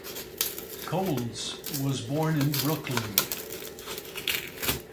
Coles was born in Brooklyn.